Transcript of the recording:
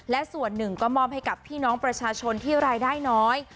และส่วนหนึ่งก็มอบให้กับพี่น้องประชาชนที่รายได้น้อย